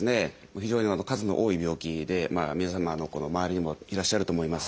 非常に数の多い病気で皆様の周りにもいらっしゃると思います。